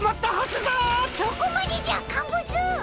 そこまでじゃカンブツ！